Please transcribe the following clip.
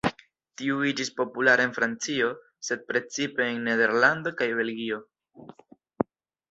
Tio iĝis populara en Francio, sed precipe en Nederlando kaj Belgio.